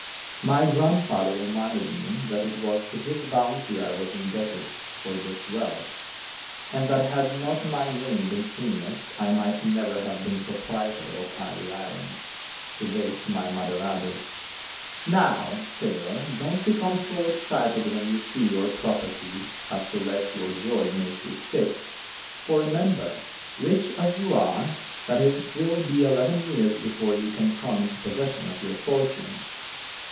My grandfather reminded me that it was to his bounty I was indebted for this wealth, and that had not my name been Phineas I might never have been proprietor of "Ivy Island." To this my mother added: "Now, Taylor, don't become so excited when you see your property as to let your joy make you sick, for remember, rich as you are, that it will be eleven years before you can come into possession of your fortune."